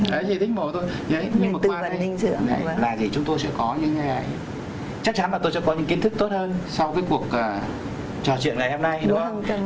đấy chỉ thích mổ thôi nhưng mà qua đây là chúng tôi sẽ có những chắc chắn là tôi sẽ có những kiến thức tốt hơn sau cái cuộc trò chuyện ngày hôm nay đúng không